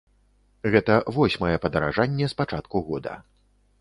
Гэта восьмае падаражанне з пачатку года.